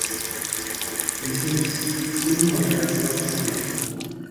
Mrs উইলমটের এক পত্র পেলুম।